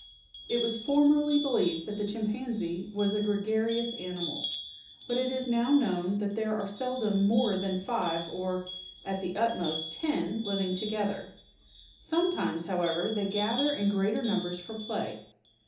It was formerly believed that the chimpanzee was a gregarious animal, but it is now known that there are seldom more than five, or, at the utmost, ten living together. Sometimes, however, they gather in greater numbers for play.